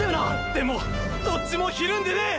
⁉でもどっちもひるんでねェ！！